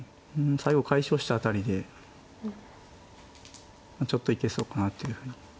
最後解消した辺りでちょっといけそうかなっていうふうに。